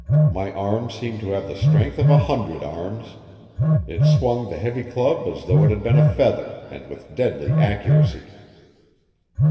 My arm seemed to have the strength of a hundred arms; it swung the heavy club as though it had been a feather, and with deadly accuracy.